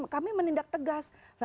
kami menindak tegas